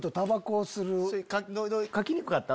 書きにくかった？